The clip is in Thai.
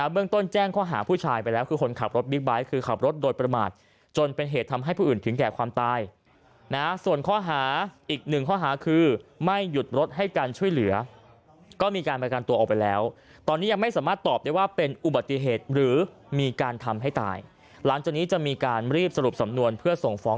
เบื้องต้นแจ้งข้อหาผู้ชายไปแล้วคือคนขับรถเบิ๊กบ้ายหรือคือ